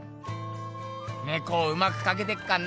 猫をうまくかけてっかんな